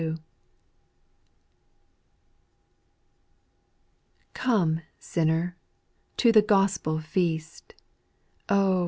1, /^OME, sinner, to the Gospel feast, \j Oh